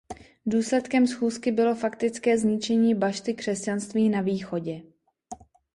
Důsledkem schůzky bylo faktické zničení bašty křesťanství na Východě.